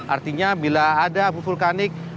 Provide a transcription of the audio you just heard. artinya bila ada abu vulkanik